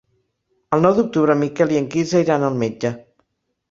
El nou d'octubre en Miquel i en Quirze iran al metge.